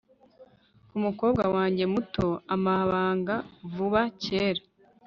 kumukobwa wanjye muto amabanga kuva kera